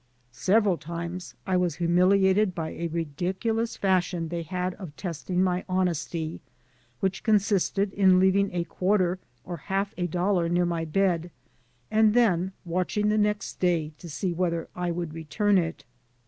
Several times I was humiliated by a ridiculous fashion they had of testing my honesty, which consisted in leaving a quarter or half a dollar near my bed, and then watching the next day to see whether I would return it.